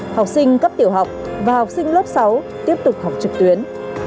học sinh cấp tiểu học và học sinh lớp sáu tiếp tục học trực tuyến